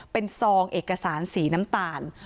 เป็นซองเอกสารสีน้ำตาล